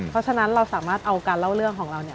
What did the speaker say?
เพราะฉะนั้นเราสามารถเอาการเล่าเรื่องของเราเนี่ย